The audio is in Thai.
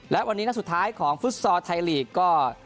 และวันนี้นัดสุดท้ายของฟุตซอลไทยลีกก็